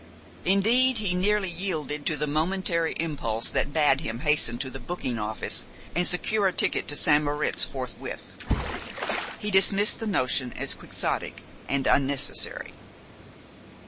Indeed, he nearly yielded to the momentary impulse that bade him hasten to the booking office and secure a ticket for St. Moritz forthwith. He dismissed the notion as quixotic and unnecessary.